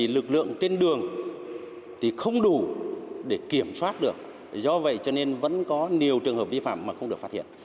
lực lượng trên đường thì không đủ để kiểm soát được do vậy cho nên vẫn có nhiều trường hợp vi phạm mà không được phát hiện